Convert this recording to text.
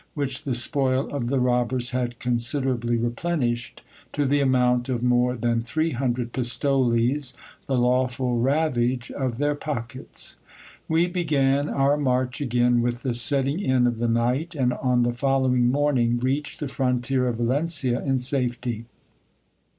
which the spoil of the robbers had considerably replenished, to the amount of more than three hundred pistoles, the lawful ravage of their pockets. We began our march again with the setting in of the night ; and on the following morning reached the frontier of Valencia in safety.